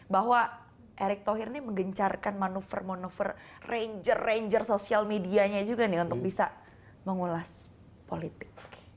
bahwa erick thohir ini menggencarkan manuver manuver ranger ranger sosial medianya juga nih untuk bisa mengulas politik